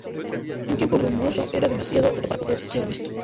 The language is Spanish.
En tiempo brumoso era demasiado alto para poder ser visto.